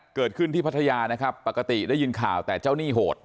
เกิดขึ้นที่พัทยานะครับปกติได้ยินข่าวแต่เจ้าหนี้โหด